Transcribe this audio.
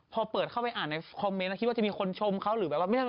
พอเปิดเข้าไปอ่านในคอมเมนต์คิดว่าจะมีคนชมเขาหรือแบบว่าไม่ได้